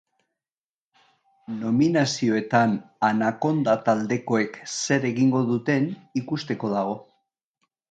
Nominazioetan anaconda taldekoek zer egingo duten ikusteko dago.